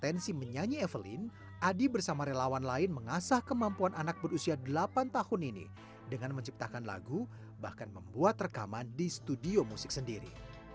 potensi menyanyi evelyn adi bersama relawan lain mengasah kemampuan anak berusia delapan tahun ini dengan menciptakan lagu bahkan membuat rekaman di studio musik sendiri